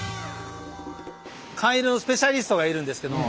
缶入れのスペシャリストがいるんですけれども。